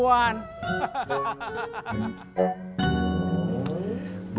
yang lebih fleksibel